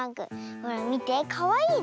ほらみてかわいいでしょ。